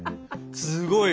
すごいわ。